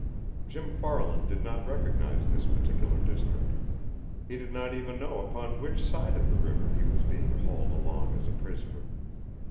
Jim Farland did not recognize this particular district. He did not even know upon which side of the river he was being hauled along as a prisoner.